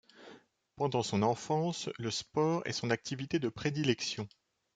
Pendant son enfance, le sport est son activité de prédilection.